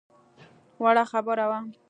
وړه خبره وه.